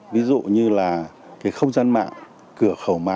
ví dụ như là không gian mạng cửa khẩu mạng v v